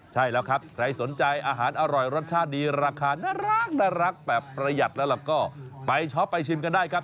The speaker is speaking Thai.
ใช่แล้วครับใครสนใจอาหารอร่อยรสชาติดีราคาน่ารักแบบประหยัดแล้วก็ไปช็อปไปชิมกันได้ครับ